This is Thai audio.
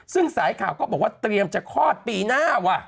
ซึ่งสายข่าวก็บอกว่าเตรียมจะคลอดปีหน้าว่ะ